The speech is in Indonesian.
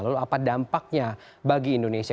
lalu apa dampaknya bagi indonesia